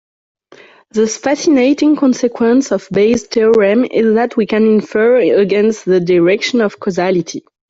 The fascinating consequence of Bayes' theorem is that we can infer against the direction of causality.